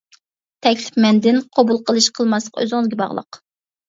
تەكلىپ مەندىن، قوبۇل قىلىش قىلماسلىق ئۆزىڭىزگە باغلىق.